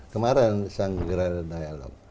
kemarin sang gerard ndhaya lok